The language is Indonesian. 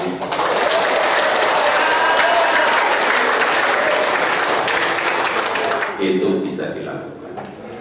itu bisa dilakukan